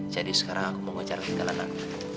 jadi sekarang aku mau ngejar kegalanan